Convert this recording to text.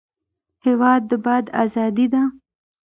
هېواد د باد ازادي ده.